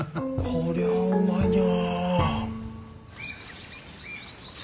こりゃあうまいねや。